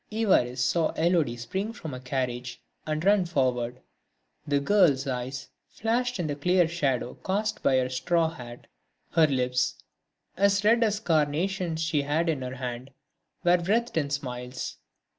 Évariste saw Élodie spring from a carriage and run forward. The girl's eyes flashed in the clear shadow cast by her straw hat; her lips, as red as the carnations she held in her hand, were wreathed in smiles.